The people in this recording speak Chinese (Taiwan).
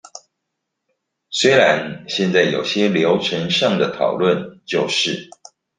雖然現在有些流程上的討論就是